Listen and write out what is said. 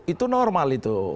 itu normal itu